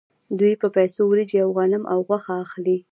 دوی په پیسو وریجې او غنم او غوښه اخلي